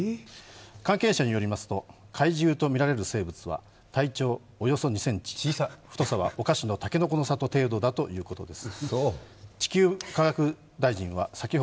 関係者によりますと怪獣とみられる生物は体長およそ２ｃｍ太さはお菓子のたけのこの里程度だということです。